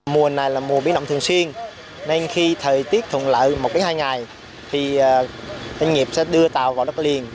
mùa này là mùa biến động thường xuyên nên khi thời tiết thuận lợi một hai ngày thì doanh nghiệp sẽ đưa tàu vào đất liền